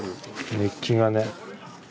熱気がね。